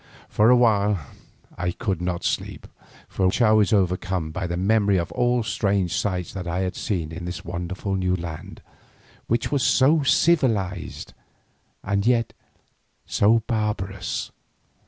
For a while I could not sleep, for I was overcome by the memory of all the strange sights that I had seen in this wonderful new land which was so civilised and yet so barbarous.